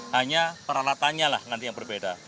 hanya peralatannya lah nanti yang berbeda